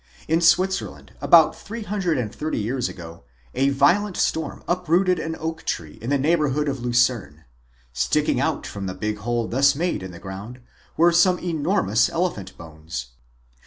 In Switzerland about three hundred and thirty years ago a violent storm uprooted an oak tree in the neighborhood of Lucerne. Sticking out from the big hole thus made in the ground were some enor mous elephant bones.